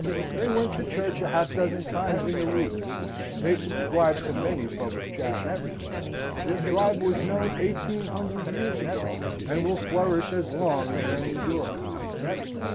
They went to church a half dozen times in the week. They subscribed to many public charities. Their tribe was known eighteen hundred years ago, and will flourish as long as men endure.